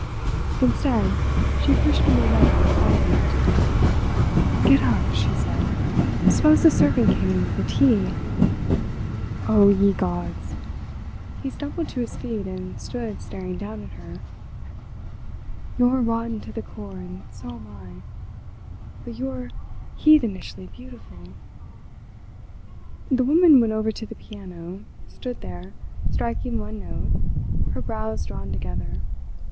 Instead, she pushed him away—frightened. "Get up," she said; "suppose the servant came in with the tea?" "Oh, ye gods!" He stumbled to his feet and stood staring down at her. "You're rotten to the core and so am I. But you're heathenishly beautiful." The woman went over to the piano—stood there—striking one note—her brows drawn together.